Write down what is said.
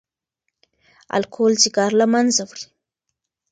الکول ځیګر له منځه وړي.